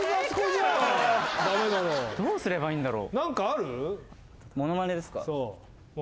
どうすればいいんだろ？